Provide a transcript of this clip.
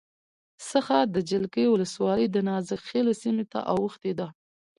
څخه د جلگې ولسوالی دنازک خیلو سیمې ته اوښتې ده